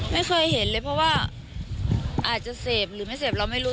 ไม่เคยเห็นเลยเพราะว่าอาจจะเสพหรือไม่เสพเราไม่รู้